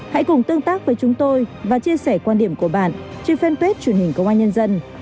hãy cùng tương tác với chúng tôi và chia sẻ quan điểm của bạn trên fanpage truyền hình công an nhân dân